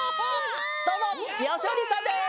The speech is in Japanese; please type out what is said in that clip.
どうもよしお兄さんです。